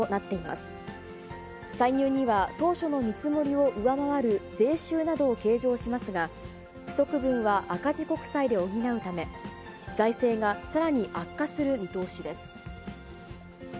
歳入には、当初の見積もりを上回る税収などを計上しますが、不足分は赤字国債で補うため、財政がさらに悪化する見通しです。